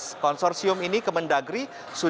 oleh konsorsium percetakan negara rakyat indonesia